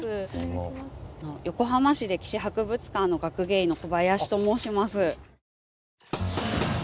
横浜市歴史博物館の学芸員の小林と申します。